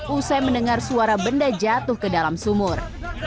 usai mendengar suara benda jatuh ke dalam sumur